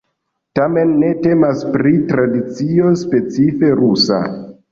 Tamen ne temas pri tradicio specife rusa.